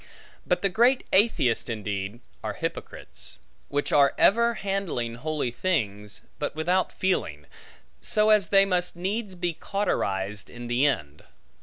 But the great atheists, indeed are hypocrites; which are ever handling holy things, but without feeling; so as they must needs be cauterized in the end.